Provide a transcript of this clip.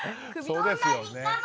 そうですよね。